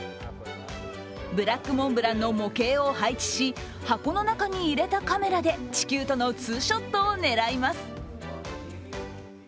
ブラックモンブランの模型を配置し、箱の中に入れたカメラで地球とのツーショットを狙います。